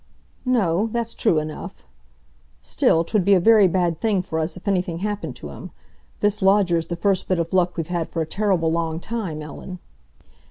"No, that's true enough. Still, 'twould be a very bad thing for us if anything happened to him. This lodger's the first bit of luck we've had for a terrible long time, Ellen."